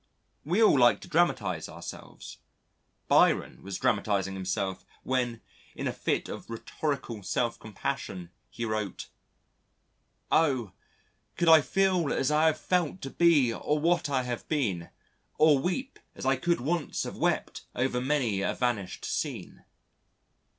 We all like to dramatise ourselves. Byron was dramatising himself when, in a fit of rhetorical self compassion, he wrote: "Oh! could I feel as I have felt or be what I have been, Or weep as I could once have wept o'er many a vanished scene."